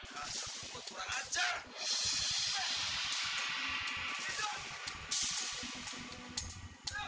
kasar berbuat orang aja